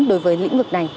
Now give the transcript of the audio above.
đối với lĩnh vực này